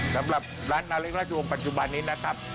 สำหรับร้านนาเล็กราชวงปัจจุบันนี้นะครับ